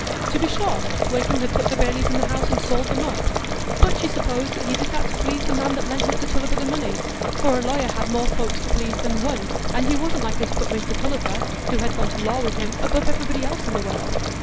To be sure, Wakem had "put the bailies in the house, and sold them up"; but she supposed he did that to please the man that lent Mr Tulliver the money, for a lawyer had more folks to please than one, and he wasn't likely to put Mr Tulliver, who had gone to law with him, above everybody else in the world.